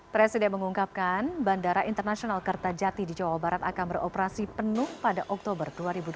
presiden mengungkapkan bandara internasional kertajati di jawa barat akan beroperasi penuh pada oktober dua ribu dua puluh